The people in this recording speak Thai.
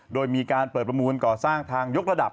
โดยมีการเปิดประมูลก่อสร้างทางยกระดับ